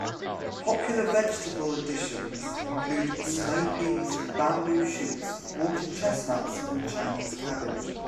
Popular vegetable additions include snow peas, bamboo shoots, water chestnuts and Chinese cabbage.